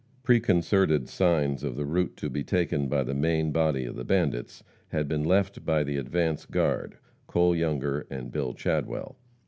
Preconcerted "signs" of the route to be taken by the main body of the bandits had been left by the advance guard, Cole Younger and Bill Chadwell.